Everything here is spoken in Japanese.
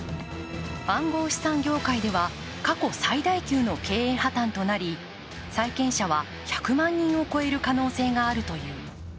暗号資産業界では過去最大級の経営破綻となり債権者は１００万人を超える可能性があるという。